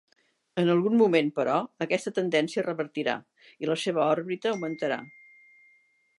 En algun moment, però, aquesta tendència es revertirà i la seva òrbita augmentarà.